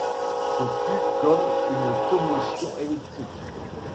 Ce fut comme une commotion électrique.